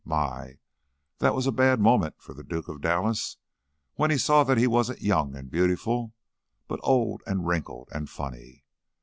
My! That was a bad moment for the Duke of Dallas, when he saw that he wasn't young and beautiful, but old and wrinkled and funny.